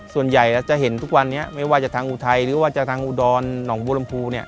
ส่วนใหญ่จะเห็นทุกวันนี้ไม่ว่าจะทางอุทัยหรือว่าจะทางอุดรหนองบูรมภู